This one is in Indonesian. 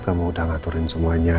kamu udah ngaturin semuanya